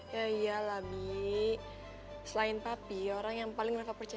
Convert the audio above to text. ya labi selain papi orang yang paling mereka percaya